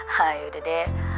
hah yaudah deh